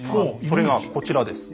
それがこちらです。